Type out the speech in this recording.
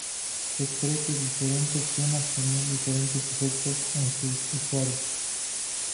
Se cree que diferentes gemas tenían diferentes efectos en sus usuarios.